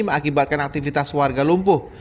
mengakibatkan aktivitas warga lumpuh